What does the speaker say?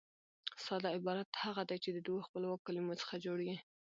ساده عبارت هغه دئ، چي د دوو خپلواکو کلیمو څخه جوړ يي.